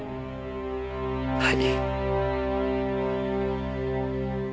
はい。